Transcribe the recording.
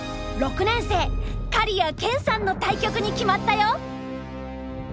６年生刈谷研さんの対局に決まったよ！